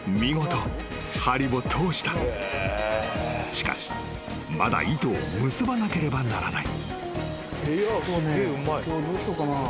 ［しかしまだ糸を結ばなければならない］